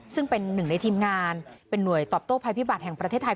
ซึ่งเป็นหนึ่งในทีมงานเป็นหน่วยตอบโต้ภัยพิบัติแห่งประเทศไทย